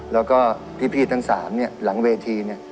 แล้วก็พี่ทั้ง๓หลังเวที